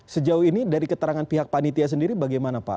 sejauh ini dari keterangan pihak panitia sendiri bagaimana pak